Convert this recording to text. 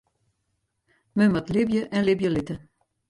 Men moat libje en libje litte.